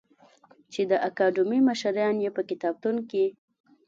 چې د اکاډمۍ مشران یې په کتابتون کې